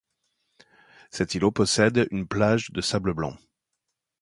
Cet îlot possède une plage de sable blanc.